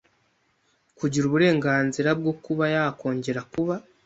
kugira uburenganzira bwo kuba yakongera kuba